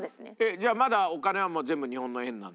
じゃあまだお金は全部日本の円なんだ。